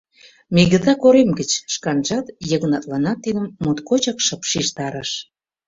— Мигыта корем гыч! — шканжат, Йыгнатланат тидым моткочак шып шижтарыш.